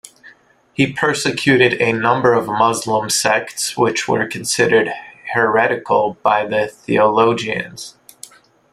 He persecuted a number of Muslim sects which were considered heretical by the theologians.